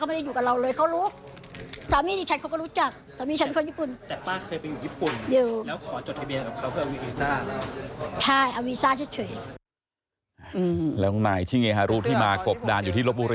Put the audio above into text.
เขาไม่ได้อยู่กับเราเลยเขารู้